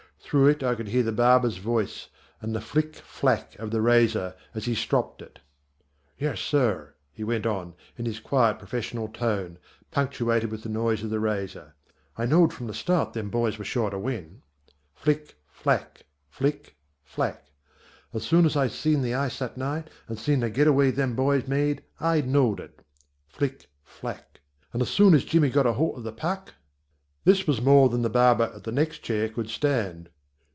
Through it I could hear the barber's voice and the flick flack of the razor as he stropped it. [Illustration: I shall not try to be quite so extraordinarily clever.] "Yes, sir," he went on in his quiet professional tone, punctuated with the noise of the razor, "I knowed from the start them boys was sure to win," flick flack flick flack, "as soon as I seen the ice that night and seen the get away them boys made I knowed it," flick flack, "and just as soon as Jimmy got aholt of the puck " This was more than the barber at the next chair could stand.